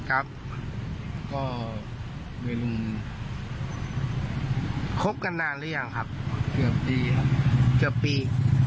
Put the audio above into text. ครับก็เป็นคบกันนานหรือยังครับเกือบปีครับเกือบปี